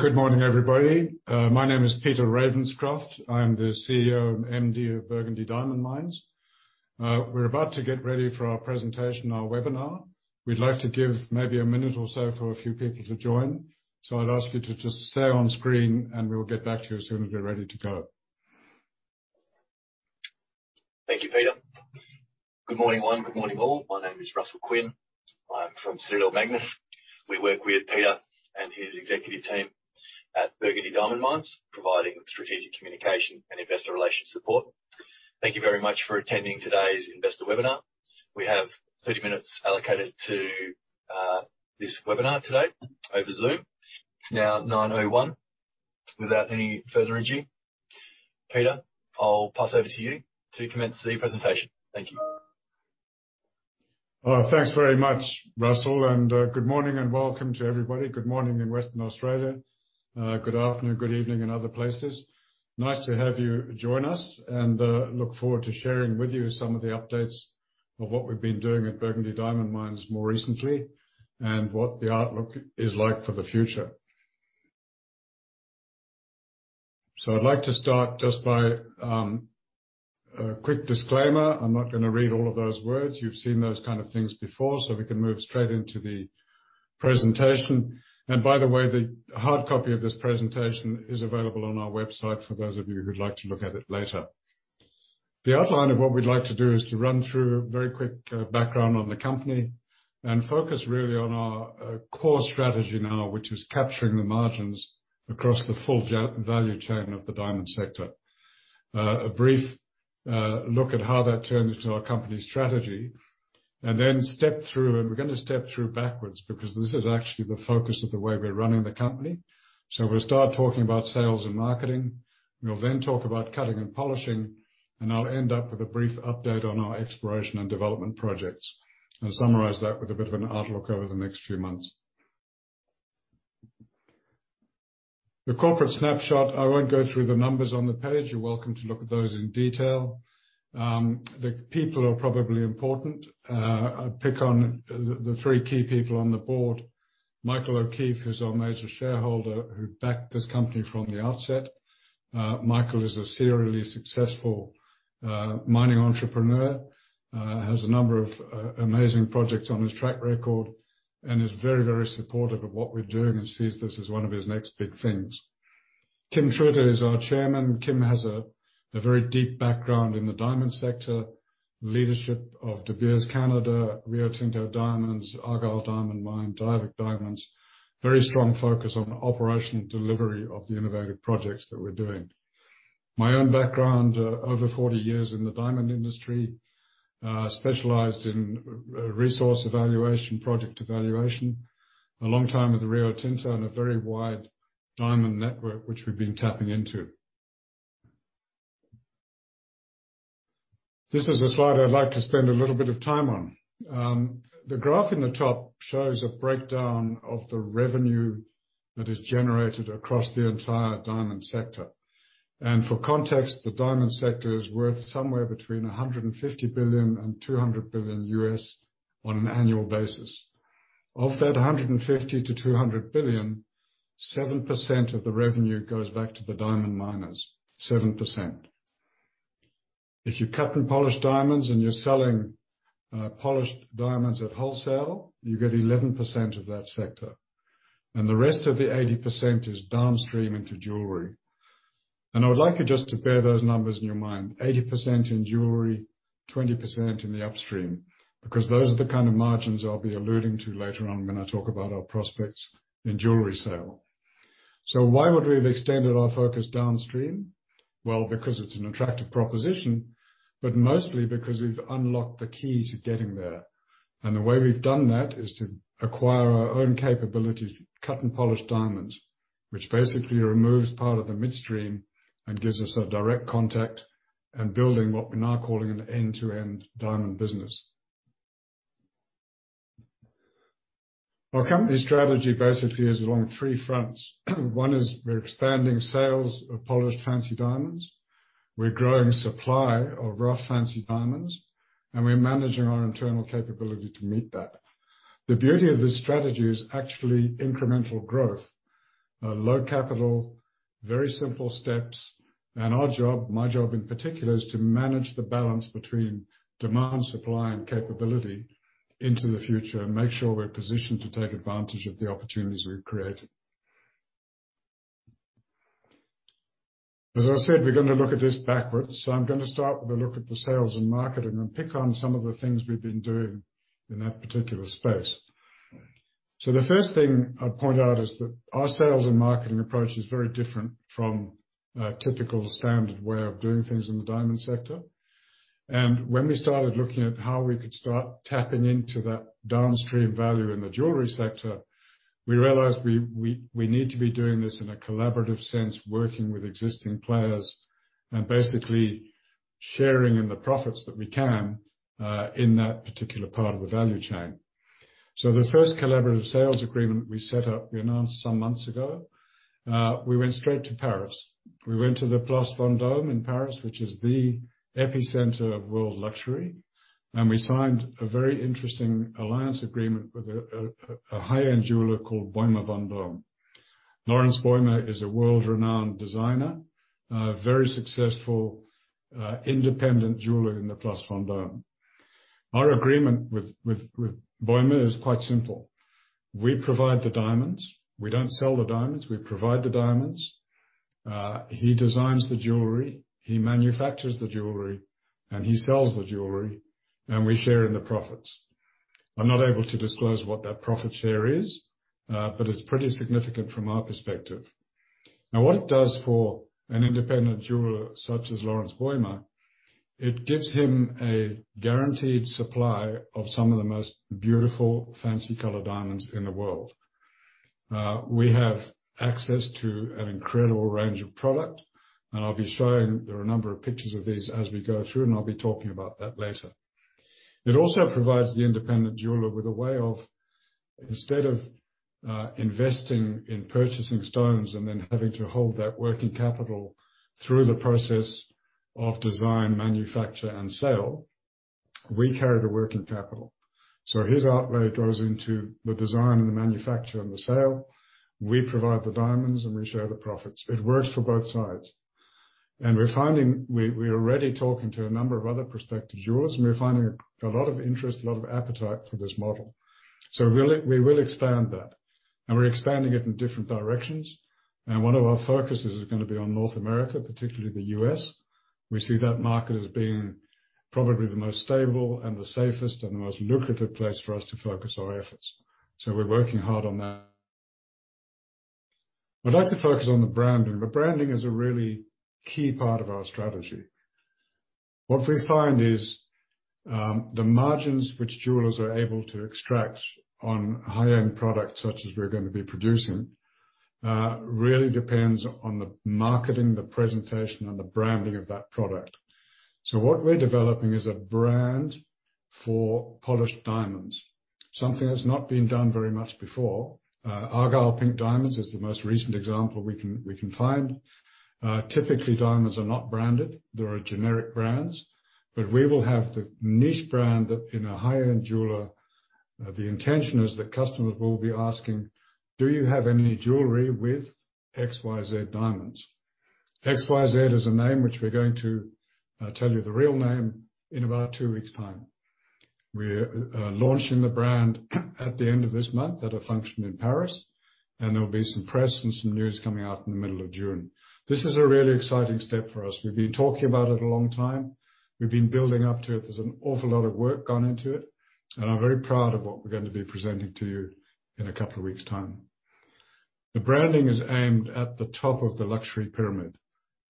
Good morning, everybody. My name is Peter Ravenscroft. I am the CEO and MD of Burgundy Diamond Mines. We're about to get ready for our presentation, our webinar. We'd like to give maybe a minute or so for a few people to join. I'd ask you to just stay on screen, and we'll get back to you as soon as we're ready to go. Thank you, Peter. Good morning, everyone. Good morning, all. My name is Russell Quinn. I'm from Citadel-MAGNUS. We work with Peter and his executive team at Burgundy Diamond Mines, providing strategic communication and investor relations support. Thank you very much for attending today's investor webinar. We have 30 minutes allocated to this webinar today over Zoom. It's now 9:01 A.M. Without any further ado, Peter, I'll pass over to you to commence the presentation. Thank you. Thanks very much, Russell. Good morning and welcome to everybody. Good morning in Western Australia. Good afternoon, good evening in other places. Nice to have you join us and look forward to sharing with you some of the updates of what we've been doing at Burgundy Diamond Mines more recently, and what the outlook is like for the future. I'd like to start just by a quick disclaimer. I'm not gonna read all of those words. You've seen those kind of things before. We can move straight into the presentation. By the way, the hard copy of this presentation is available on our website for those of you who'd like to look at it later. The outline of what we'd like to do is to run through a very quick background on the company and focus really on our core strategy now, which is capturing the margins across the full value chain of the diamond sector. A brief look at how that turns into our company strategy, and then step through. We're gonna step through backwards because this is actually the focus of the way we're running the company. We'll start talking about sales and marketing. We'll then talk about cutting and polishing, and I'll end up with a brief update on our exploration and development projects, and summarize that with a bit of an outlook over the next few months. The corporate snapshot, I won't go through the numbers on the page. You're welcome to look at those in detail. The people are probably important. I'll pick on the three key people on the board. Michael O'Keeffe, who's our major shareholder, who backed this company from the outset. Michael is a serially successful mining entrepreneur, has a number of amazing projects on his track record and is very, very supportive of what we're doing and sees this as one of his next big things. Kim Truter is our chairman. Kim has a very deep background in the diamond sector, leadership of De Beers Canada, Rio Tinto Diamonds, Argyle Diamond Mine, Diavik Diamonds. Very strong focus on operational delivery of the innovative projects that we're doing. My own background, over 40 years in the diamond industry, specialized in resource evaluation, project evaluation, a long time with Rio Tinto and a very wide diamond network which we've been tapping into. This is a slide I'd like to spend a little bit of time on. The graph in the top shows a breakdown of the revenue that is generated across the entire diamond sector. For context, the diamond sector is worth somewhere between $150 billion and $200 billion on an annual basis. Of that $150-$200 billion, 7% of the revenue goes back to the diamond miners. 7%. If you cut and polish diamonds and you're selling polished diamonds at wholesale, you get 11% of that sector, and the rest of the 80% is downstream into jewelry. I would like you just to bear those numbers in your mind, 80% in jewelry, 20% in the upstream, because those are the kind of margins I'll be alluding to later on when I talk about our prospects in jewelry sales. Why would we have extended our focus downstream? Well, because it's an attractive proposition, but mostly because we've unlocked the key to getting there. The way we've done that is to acquire our own capability to cut and polish diamonds, which basically removes part of the midstream and gives us a direct contact and building what we're now calling an end-to-end diamond business. Our company strategy basically is along three fronts. One is we're expanding sales of polished fancy diamonds. We're growing supply of rough fancy diamonds, and we're managing our internal capability to meet that. The beauty of this strategy is actually incremental growth, low capital, very simple steps. Our job, my job in particular, is to manage the balance between demand, supply, and capability into the future and make sure we're positioned to take advantage of the opportunities we've created. As I said, we're gonna look at this backwards, so I'm gonna start with a look at the sales and marketing and pick on some of the things we've been doing in that particular space. The first thing I'd point out is that our sales and marketing approach is very different from a typical standard way of doing things in the diamond sector. When we started looking at how we could start tapping into that downstream value in the jewelry sector, we realized we need to be doing this in a collaborative sense, working with existing players and basically sharing in the profits that we can in that particular part of the value chain. The first collaborative sales agreement we set up, we announced some months ago, we went straight to Paris. We went to the Place Vendôme in Paris, which is the epicenter of world luxury. We signed a very interesting alliance agreement with a high-end jeweler called Bäumer Vendôme. Lorenz Bäumer is a world-renowned designer. Very successful independent jeweler in the Place Vendôme. Our agreement with Bäumer is quite simple. We provide the diamonds. We don't sell the diamonds, we provide the diamonds. He designs the jewelry, he manufactures the jewelry, and he sells the jewelry, and we share in the profits. I'm not able to disclose what that profit share is, but it's pretty significant from our perspective. Now, what it does for an independent jeweler such as Lorenz Bäumer. It gives him a guaranteed supply of some of the most beautiful fancy colored diamonds in the world. We have access to an incredible range of product, and I'll be showing, there are a number of pictures of these as we go through, and I'll be talking about that later. It also provides the independent jeweler with a way of, instead of, investing in purchasing stones and then having to hold that working capital through the process of design, manufacture, and sale, we carry the working capital. His outlay goes into the design and the manufacture and the sale. We provide the diamonds, and we share the profits. It works for both sides. We're already talking to a number of other prospective jewelers, and we're finding a lot of interest, a lot of appetite for this model. We will expand that. We're expanding it in different directions. One of our focuses is gonna be on North America, particularly the U.S. We see that market as being probably the most stable and the safest and the most lucrative place for us to focus our efforts. We're working hard on that. I'd like to focus on the branding. The branding is a really key part of our strategy. What we find is, the margins which jewelers are able to extract on high-end products, such as we're gonna be producing, really depends on the marketing, the presentation, and the branding of that product. What we're developing is a brand for polished diamonds. Something that's not been done very much before. Argyle Pink Diamonds is the most recent example we can find. Typically, diamonds are not branded. There are generic brands. We will have the niche brand that in a high-end jeweler, the intention is that customers will be asking, "Do you have any jewelry with XYZ diamonds?" XYZ is a name which we're going to tell you the real name in about two weeks' time. We're launching the brand at the end of this month at a function in Paris, and there'll be some press and some news coming out in the middle of June. This is a really exciting step for us. We've been talking about it a long time. We've been building up to it. There's an awful lot of work gone into it, and I'm very proud of what we're gonna be presenting to you in a couple of weeks' time. The branding is aimed at the top of the luxury pyramid.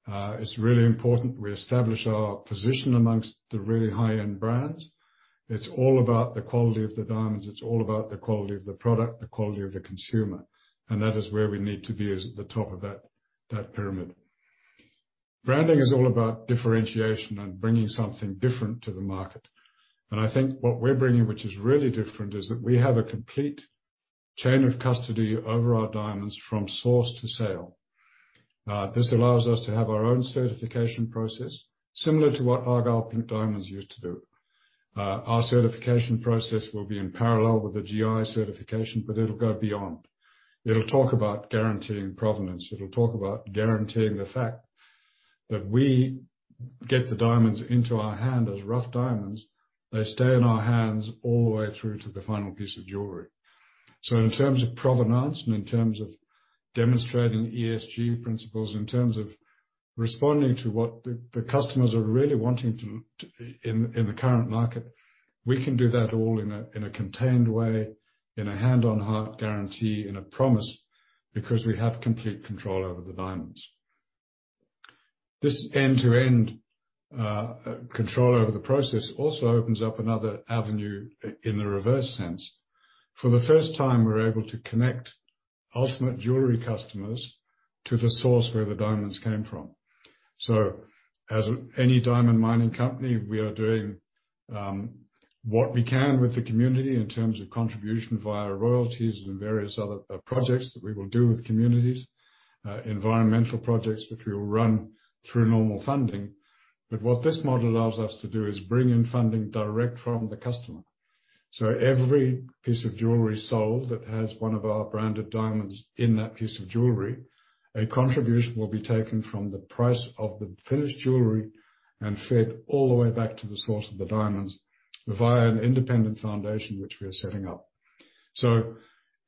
It's really important we establish our position amongst the really high-end brands. It's all about the quality of the diamonds. It's all about the quality of the product, the quality of the consumer, and that is where we need to be, is at the top of that pyramid. Branding is all about differentiation and bringing something different to the market. I think what we're bringing, which is really different, is that we have a complete chain of custody over our diamonds from source to sale. This allows us to have our own certification process, similar to what Argyle Pink Diamonds used to do. Our certification process will be in parallel with the GIA certification, but it'll go beyond. It'll talk about guaranteeing provenance. It'll talk about guaranteeing the fact that we get the diamonds into our hand as rough diamonds. They stay in our hands all the way through to the final piece of jewelry. In terms of provenance and in terms of demonstrating ESG principles, in terms of responding to what the customers are really wanting to. In the current market, we can do that all in a contained way, in a hand-on-heart guarantee, in a promise, because we have complete control over the diamonds. This end-to-end control over the process also opens up another avenue in the reverse sense. For the first time, we're able to connect ultimate jewelry customers to the source where the diamonds came from. As any diamond mining company, we are doing what we can with the community in terms of contribution via royalties and various other projects that we will do with communities, environmental projects, which we will run through normal funding. What this model allows us to do is bring in funding direct from the customer. Every piece of jewelry sold that has one of our branded diamonds in that piece of jewelry, a contribution will be taken from the price of the finished jewelry and fed all the way back to the source of the diamonds via an independent foundation which we are setting up.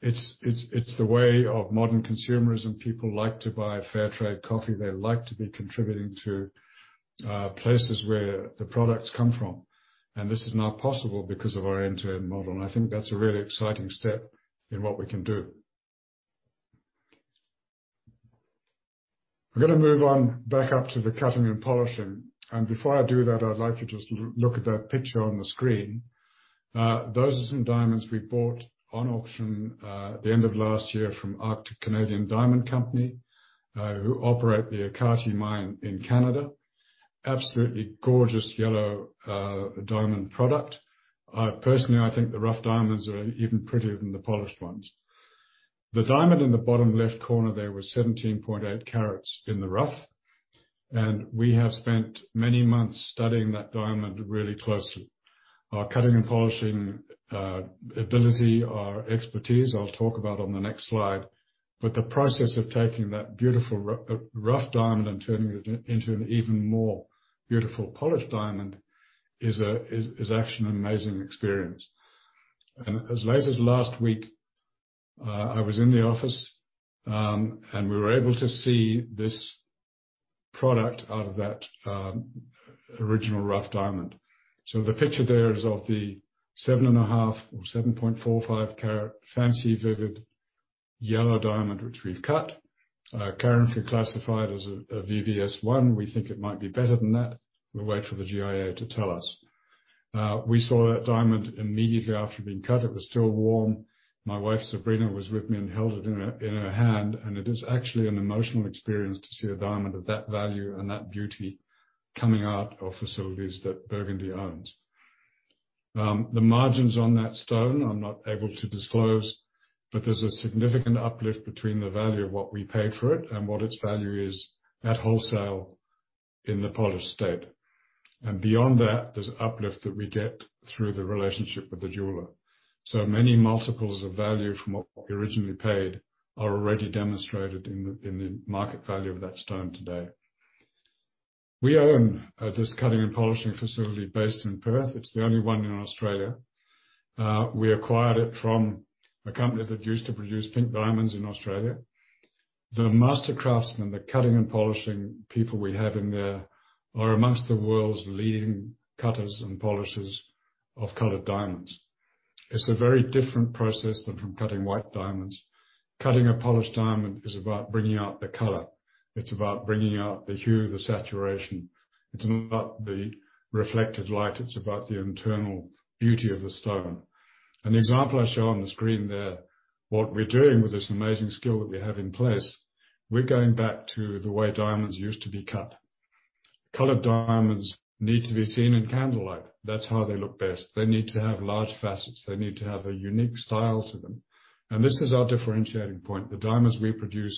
It's the way of modern consumerism. People like to buy fair trade coffee. They like to be contributing to places where the products come from. This is now possible because of our end-to-end model. I think that's a really exciting step in what we can do. I'm gonna move on back up to the cutting and polishing. Before I do that, I'd like to just look at that picture on the screen. Those are some diamonds we bought on auction at the end of last year from Arctic Canadian Diamond Company, who operate the Ekati Mine in Canada. Absolutely gorgeous yellow diamond product. I personally think the rough diamonds are even prettier than the polished ones. The diamond in the bottom left corner there was 17.8 carats in the rough, and we have spent many months studying that diamond really closely. Our cutting and polishing ability, our expertise, I'll talk about on the next slide, but the process of taking that beautiful rough diamond and turning it into an even more beautiful polished diamond is actually an amazing experience. As late as last week, I was in the office, and we were able to see this product out of that original rough diamond. The picture there is of the 7.5 or 7.45-carat Fancy Vivid Yellow diamond, which we've cut. Currently classified as a VVS1. We think it might be better than that. We'll wait for the GIA to tell us. We saw that diamond immediately after it had been cut. It was still warm. My wife, Sabrina, was with me and held it in her hand, and it is actually an emotional experience to see a diamond of that value and that beauty coming out of facilities that Burgundy owns. The margins on that stone, I'm not able to disclose, but there's a significant uplift between the value of what we paid for it and what its value is at wholesale in the polished state. Beyond that, there's uplift that we get through the relationship with the jeweler. Many multiples of value from what we originally paid are already demonstrated in the market value of that stone today. We own this cutting and polishing facility based in Perth. It's the only one in Australia. We acquired it from a company that used to produce pink diamonds in Australia. The master craftsman, the cutting and polishing people we have in there are amongst the world's leading cutters and polishers of colored diamonds. It's a very different process than from cutting white diamonds. Cutting and polishing a diamond is about bringing out the color. It's about bringing out the hue, the saturation. It's not about the reflected light, it's about the internal beauty of the stone. An example I show on the screen there, what we're doing with this amazing skill that we have in place, we're going back to the way diamonds used to be cut. Colored diamonds need to be seen in candlelight. That's how they look best. They need to have large facets. They need to have a unique style to them. This is our differentiating point. The diamonds we produce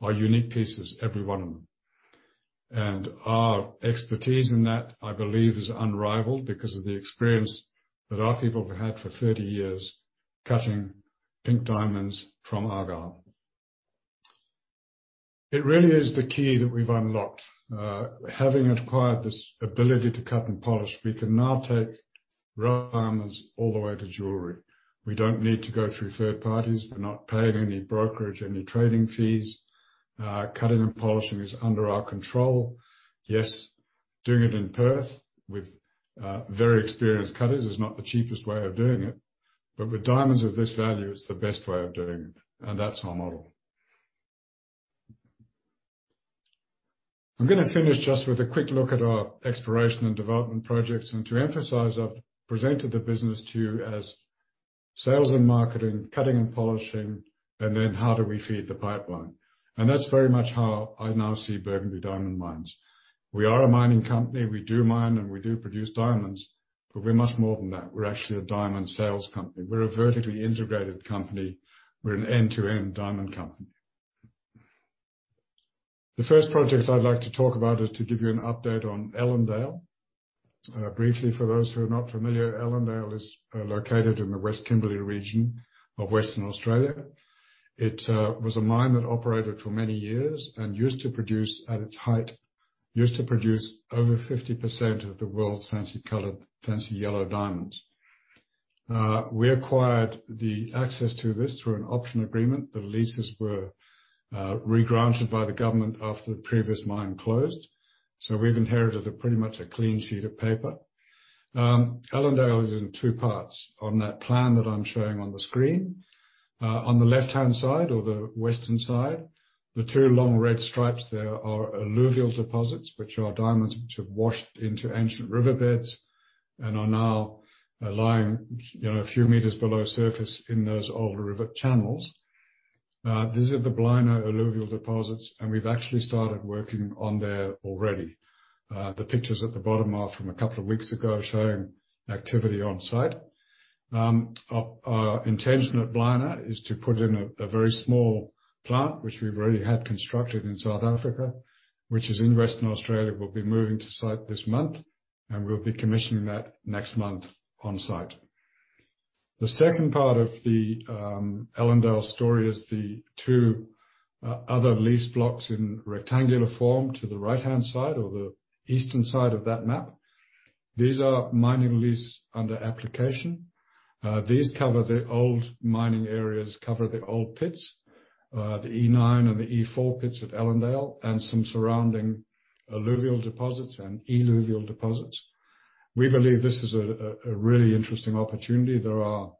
are unique pieces, every one of them. Our expertise in that, I believe, is unrivaled because of the experience that our people have had for 30 years cutting pink diamonds from Argyle. It really is the key that we've unlocked. Having acquired this ability to cut and polish, we can now take raw diamonds all the way to jewelry. We don't need to go through third parties. We're not paying any brokerage, any trading fees. Cutting and polishing is under our control. Yes, doing it in Perth with very experienced cutters is not the cheapest way of doing it, but with diamonds of this value, it's the best way of doing it, and that's our model. I'm gonna finish just with a quick look at our exploration and development projects. To emphasize, I've presented the business to you as sales and marketing, cutting and polishing, and then how do we feed the pipeline. That's very much how I now see Burgundy Diamond Mines. We are a mining company. We do mine, and we do produce diamonds, but we're much more than that. We're actually a diamond sales company. We're a vertically integrated company. We're an end-to-end diamond company. The first project I'd like to talk about is to give you an update on Ellendale. Briefly, for those who are not familiar, Ellendale is located in the West Kimberley region of Western Australia. It was a mine that operated for many years and used to produce, at its height, over 50% of the world's fancy yellow diamonds. We acquired the access to this through an option agreement. The leases were re-granted by the government after the previous mine closed. We've inherited a pretty much a clean sheet of paper. Ellendale is in two parts. On that plan that I'm showing on the screen, on the left-hand side or the western side, the two long red stripes there are alluvial deposits, which are diamonds which have washed into ancient riverbeds and are now lying, you know, a few meters below surface in those old river channels. These are the Blina alluvial deposits, and we've actually started working on there already. The pictures at the bottom are from a couple of weeks ago, showing activity on-site. Our intention at Blina is to put in a very small plant, which we've already had constructed in South Africa, which is in Western Australia. We'll be moving to site this month, and we'll be commissioning that next month on-site. The second part of the Ellendale story is the two other lease blocks in rectangular form to the right-hand side or the eastern side of that map. These are mining leases under application. These cover the old mining areas, the old pits, the E9 and the E4 pits at Ellendale and some surrounding alluvial deposits and eluvial deposits. We believe this is a really interesting opportunity. There are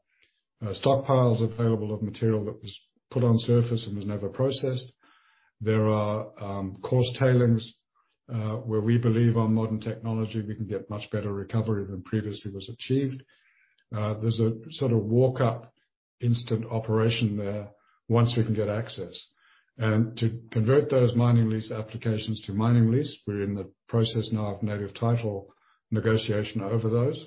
stockpiles available of material that was put on surface and was never processed. There are coarse tailings, where we believe on modern technology, we can get much better recovery than previously was achieved. There's a sort of walk up instant operation there once we can get access. To convert those mining lease applications to mining lease, we're in the process now of native title negotiation over those,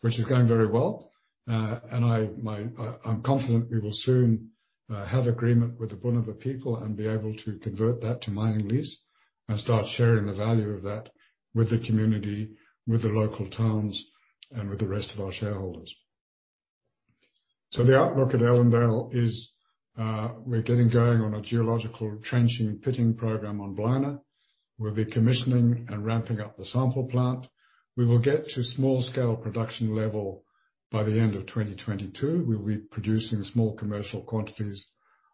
which is going very well. I'm confident we will soon have agreement with the Bunuba people and be able to convert that to mining lease. Start sharing the value of that with the community, with the local towns, and with the rest of our shareholders. The outlook at Ellendale is, we're getting going on a geological trenching and pitting program on Blina. We'll be commissioning and ramping up the sample plant. We will get to small-scale production level by the end of 2022. We'll be producing small commercial quantities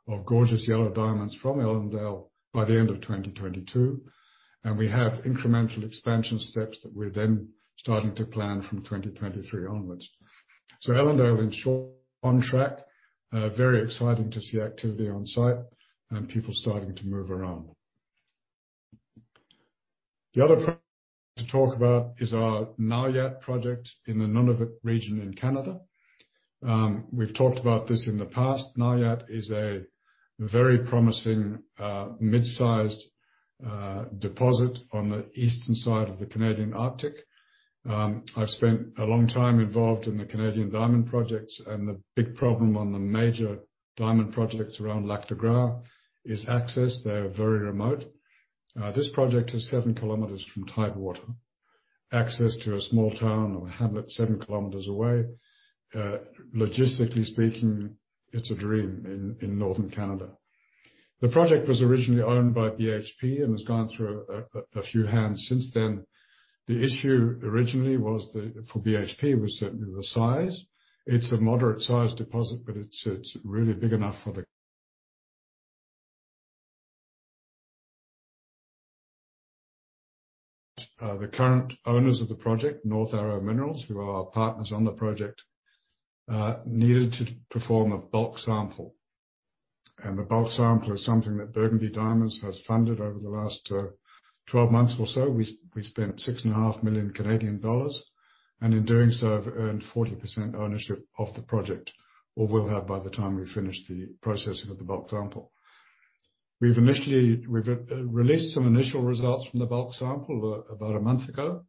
of gorgeous yellow diamonds from Ellendale by the end of 2022. We have incremental expansion steps that we're then starting to plan from 2023 onwards. Ellendale, in short, on track, very exciting to see activity on site and people starting to move around. The other project to talk about is our Naujaat project in the Nunavut region in Canada. We've talked about this in the past. Naujaat is a very promising, mid-sized, deposit on the eastern side of the Canadian Arctic. I've spent a long time involved in the Canadian diamond projects, and the big problem on the major diamond projects around Lac de Gras is access. They are very remote. This project is 7 km from Tidewater. Access to a small town or a hamlet 7 km away. Logistically speaking, it's a dream in northern Canada. The project was originally owned by BHP and has gone through a few hands since then. The issue originally for BHP was certainly the size. It's a moderate-sized deposit, but it's really big enough for the. The current owners of the project, North Arrow Minerals, who are our partners on the project, needed to perform a bulk sample. The bulk sample is something that Burgundy Diamond Mines has funded over the last 12 months or so. We spent 6 and a half million, and in doing so, have earned 40% ownership of the project or will have by the time we finish the processing of the bulk sample. We've released some initial results from the bulk sample about a month ago,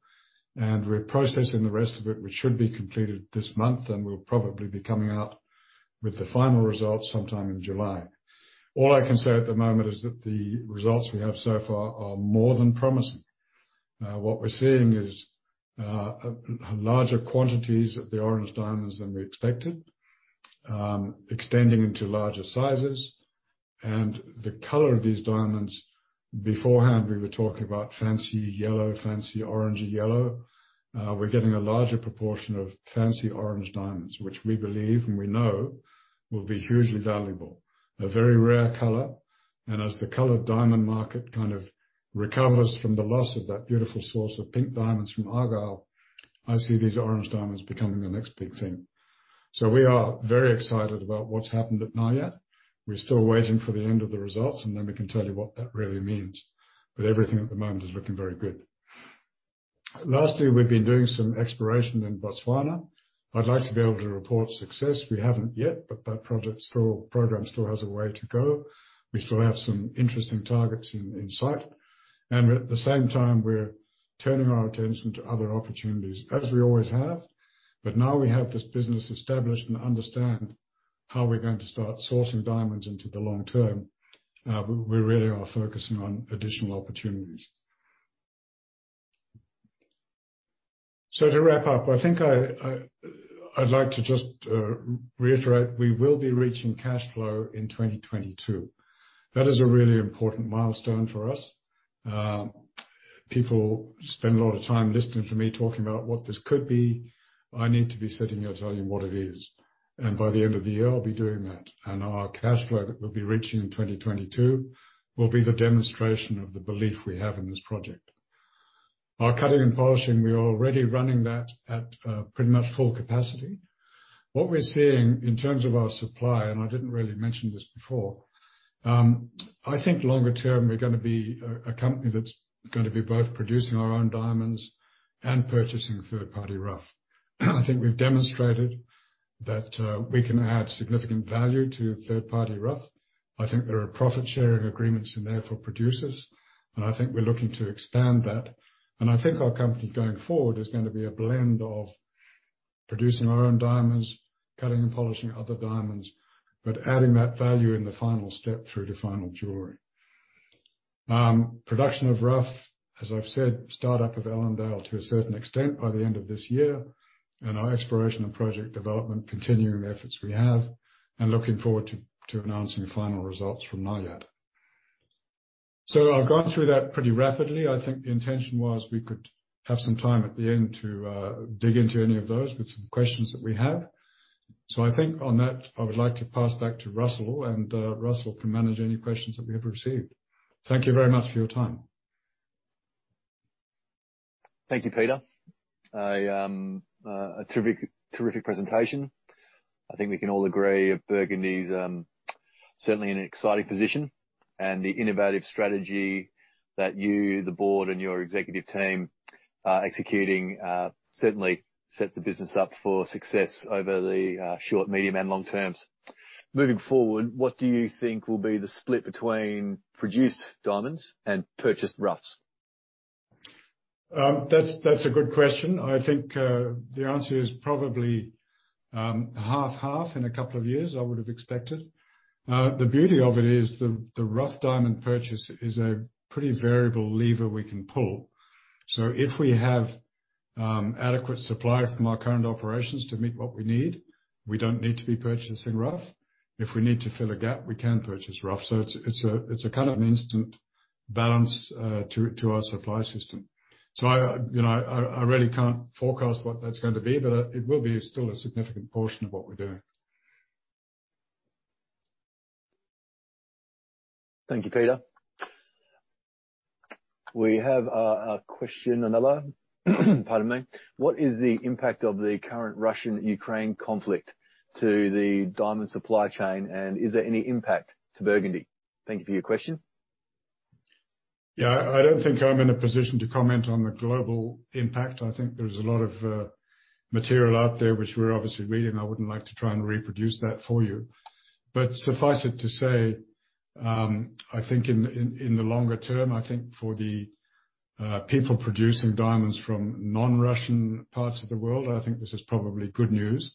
and we're processing the rest of it, which should be completed this month. We'll probably be coming out with the final results sometime in July. All I can say at the moment is that the results we have so far are more than promising. What we're seeing is larger quantities of the orange diamonds than we expected, extending into larger sizes. The color of these diamonds, beforehand, we were talking about fancy yellow, fancy orange yellow. We're getting a larger proportion of fancy orange diamonds, which we believe and we know will be hugely valuable. A very rare color. As the colored diamond market kind of recovers from the loss of that beautiful source of pink diamonds from Argyle, I see these orange diamonds becoming the next big thing. We are very excited about what's happened at Naujaat. We're still waiting for the end of the results, and then we can tell you what that really means. Everything at the moment is looking very good. Lastly, we've been doing some exploration in Botswana. I'd like to be able to report success. We haven't yet, but that program still has a way to go. We still have some interesting targets in sight. At the same time, we're turning our attention to other opportunities, as we always have. Now we have this business established and understand how we're going to start sourcing diamonds into the long term. We really are focusing on additional opportunities. To wrap up, I think I'd like to just reiterate we will be reaching cash flow in 2022. That is a really important milestone for us. People spend a lot of time listening to me talking about what this could be. I need to be sitting here telling you what it is. By the end of the year, I'll be doing that. Our cash flow that we'll be reaching in 2022 will be the demonstration of the belief we have in this project. Our cutting and polishing, we are already running that at pretty much full capacity. What we're seeing in terms of our supply, and I didn't really mention this before, I think longer term, we're gonna be a company that's gonna be both producing our own diamonds and purchasing third-party rough. I think we've demonstrated that, we can add significant value to third-party rough. I think there are profit-sharing agreements in there for producers, and I think we're looking to expand that. I think our company going forward is gonna be a blend of producing our own diamonds, cutting and polishing other diamonds, but adding that value in the final step through to final jewelry. Production of rough, as I've said, start-up of Ellendale to a certain extent by the end of this year. Our exploration and project development, continuing the efforts we have and looking forward to announcing final results from Naujaat. I've gone through that pretty rapidly. I think the intention was we could have some time at the end to dig into any of those with some questions that we have. I think on that, I would like to pass back to Russell, and Russell can manage any questions that we have received. Thank you very much for your time. Thank you, Peter. A terrific presentation. I think we can all agree that Burgundy is certainly in an exciting position. The innovative strategy that you, the board, and your executive team are executing certainly sets the business up for success over the short, medium, and long terms. Moving forward, what do you think will be the split between produced diamonds and purchased roughs? That's a good question. I think the answer is probably 50/50 in a couple of years, I would have expected. The beauty of it is the rough diamond purchase is a pretty variable lever we can pull. If we have adequate supply from our current operations to meet what we need, we don't need to be purchasing rough. If we need to fill a gap, we can purchase rough. It's a kind of an instant balance to our supply system. You know, I really can't forecast what that's going to be, but it will be still a significant portion of what we're doing. Thank you, Peter. We have another question. Pardon me. What is the impact of the current Russian-Ukraine conflict to the diamond supply chain? And is there any impact to Burgundy? Thank you for your question. Yeah. I don't think I'm in a position to comment on the global impact. I think there's a lot of material out there which we're obviously reading. I wouldn't like to try and reproduce that for you. Suffice it to say, I think in the longer term, I think for the people producing diamonds from non-Russian parts of the world, I think this is probably good news.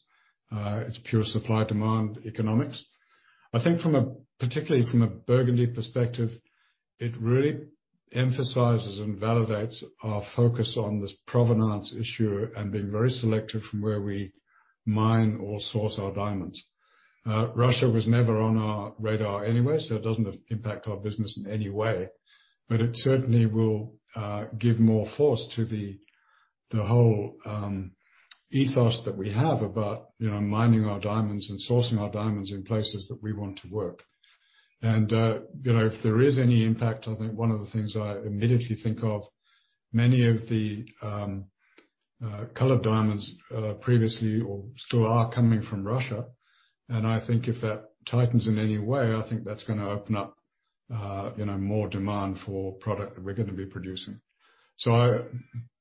It's pure supply/demand economics. I think from a, particularly from a Burgundy perspective, it really emphasizes and validates our focus on this provenance issue and being very selective from where we mine or source our diamonds. Russia was never on our radar anyway, so it doesn't impact our business in any way, but it certainly will give more force to the whole ethos that we have about, you know, mining our diamonds and sourcing our diamonds in places that we want to work. You know, if there is any impact, I think one of the things I immediately think of, many of the colored diamonds previously or still are coming from Russia, and I think if that tightens in any way, I think that's gonna open up, you know, more demand for product that we're gonna be producing.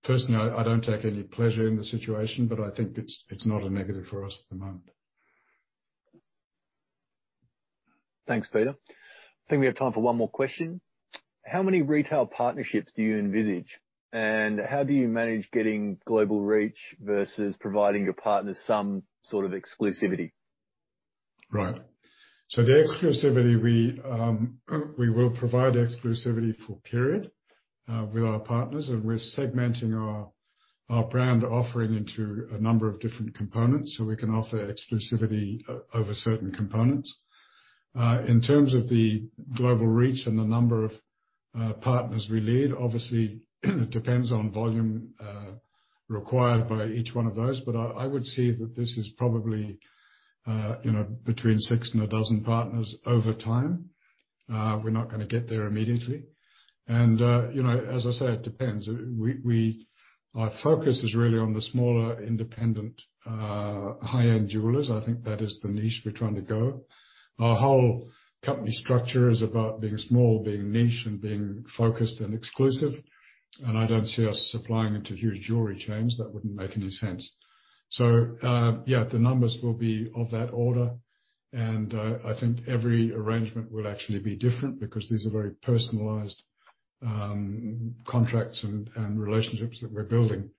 Personally, I don't take any pleasure in the situation, but I think it's not a negative for us at the moment. Thanks, Peter. I think we have time for one more question. How many retail partnerships do you envisage, and how do you manage getting global reach versus providing your partners some sort of exclusivity? Right. The exclusivity, we will provide exclusivity for a period with our partners, and we're segmenting our brand offering into a number of different components, so we can offer exclusivity over certain components. In terms of the global reach and the number of partners we lead, obviously it depends on volume required by each one of those, but I would say that this is probably, you know, between six and a dozen partners over time. We're not gonna get there immediately. You know, as I say, it depends. Our focus is really on the smaller independent high-end jewelers. I think that is the niche we're trying to go. Our whole company structure is about being small, being niche, and being focused and exclusive, and I don't see us supplying into huge jewelry chains. That wouldn't make any sense. Yeah, the numbers will be of that order, and I think every arrangement will actually be different because these are very personalized contracts and relationships that we're building.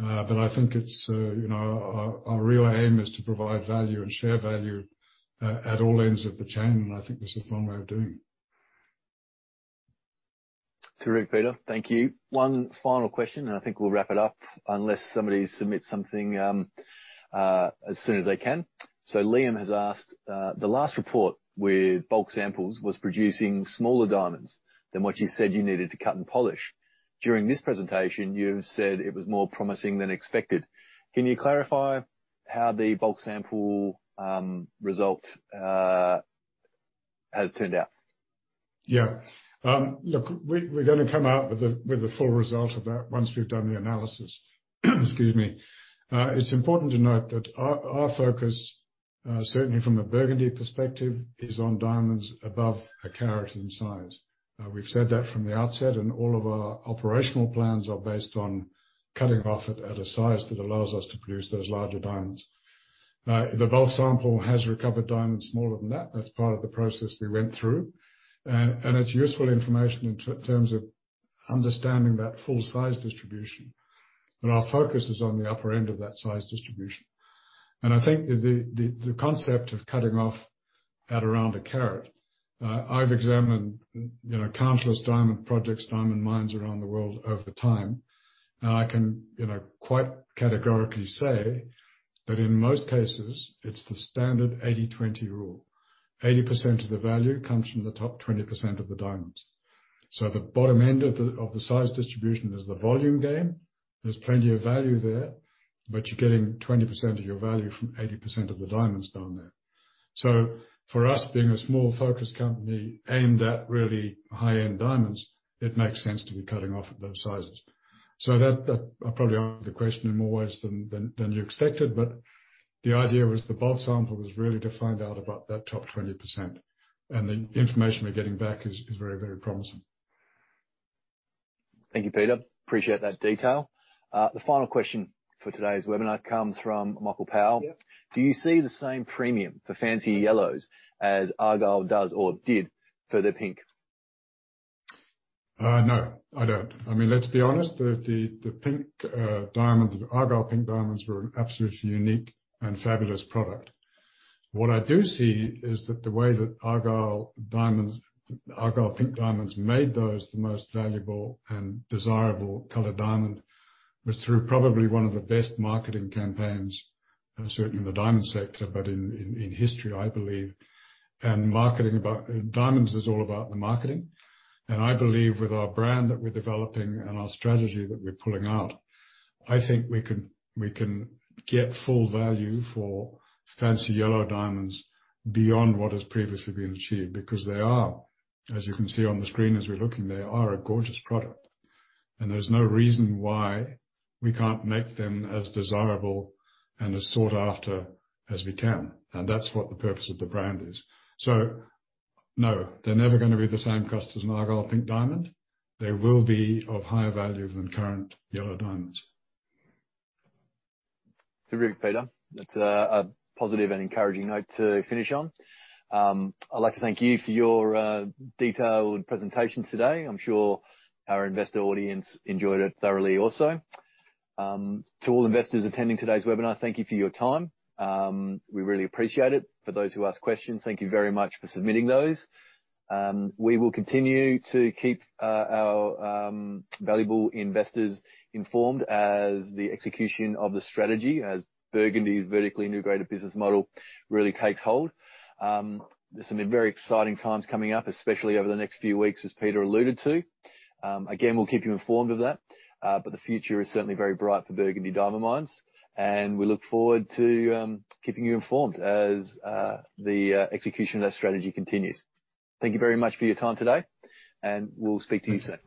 I think it's you know, our real aim is to provide value and share value at all ends of the chain, and I think this is one way of doing it. It's all right, Peter. Thank you. One final question, and I think we'll wrap it up unless somebody submits something as soon as they can. Liam has asked the last report with bulk samples was producing smaller diamonds than what you said you needed to cut and polish. During this presentation, you said it was more promising than expected. Can you clarify how the bulk sample result has turned out? Yeah. Look, we're gonna come out with the full result of that once we've done the analysis. It's important to note that our focus, certainly from the Burgundy perspective, is on diamonds above a carat in size. We've said that from the outset, and all of our operational plans are based on cutting off at a size that allows us to produce those larger diamonds. The bulk sample has recovered diamonds smaller than that. That's part of the process we went through. It's useful information in terms of understanding that full size distribution, but our focus is on the upper end of that size distribution. I think the concept of cutting off at around a carat. I've examined, you know, countless diamond projects, diamond mines around the world over time. I can, you know, quite categorically say that in most cases it's the standard 80/20 rule. 80% of the value comes from the top 20% of the diamonds. The bottom end of the size distribution is the volume game. There's plenty of value there, but you're getting 20% of your value from 80% of the diamonds down there. For us, being a small focused company aimed at really high-end diamonds, it makes sense to be cutting off at those sizes. That, I probably answered the question in more ways than you expected, but the idea was the bulk sample was really to find out about that top 20%, and the information we're getting back is very, very promising. Thank you, Peter. Appreciate that detail. The final question for today's webinar comes from Michael Powell. Yep. Do you see the same premium for fancy yellows as Argyle does or did for the pink? No, I don't. I mean, let's be honest, the pink diamonds, the Argyle Pink Diamonds were an absolutely unique and fabulous product. What I do see is that the way that Argyle diamonds, Argyle Pink Diamonds made those the most valuable and desirable colored diamond was through probably one of the best marketing campaigns, certainly in the diamond sector, but in history, I believe. Diamonds is all about the marketing. I believe with our brand that we're developing and our strategy that we're pulling out, I think we can get full value for Fancy Yellow diamonds beyond what has previously been achieved because they are, as you can see on the screen as we're looking, they are a gorgeous product. There's no reason why we can't make them as desirable and as sought after as we can. That's what the purpose of the brand is. No, they're never gonna be the same cost as an Argyle Pink Diamond. They will be of higher value than current yellow diamonds. Very good, Peter. That's a positive and encouraging note to finish on. I'd like to thank you for your detailed presentation today. I'm sure our investor audience enjoyed it thoroughly also. To all investors attending today's webinar, thank you for your time. We really appreciate it. For those who asked questions, thank you very much for submitting those. We will continue to keep our valuable investors informed as the execution of the strategy as Burgundy's vertically integrated business model really takes hold. There's some very exciting times coming up, especially over the next few weeks, as Peter alluded to. Again, we'll keep you informed of that, but the future is certainly very bright for Burgundy Diamond Mines, and we look forward to keeping you informed as the execution of that strategy continues. Thank you very much for your time today, and we'll speak to you soon.